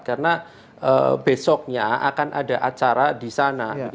karena besoknya akan ada acara di sana